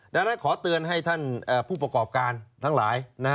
ดังนั้นขอเตือนให้ท่านผู้ประกอบการทั้งหลาย